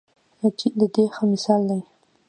چین د دې ښه مثال دی.